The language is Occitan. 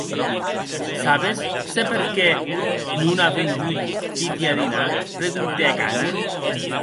Sabes se per qué non a vengut Kitty a dinar?, preguntèc Anna.